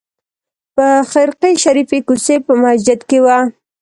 په خرقې شریفې کوڅې په مسجد کې وه.